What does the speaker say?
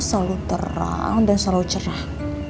selalu terang dan selalu cerah